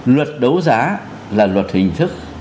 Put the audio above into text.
luật đấu giá là luật hình thức